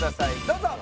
どうぞ！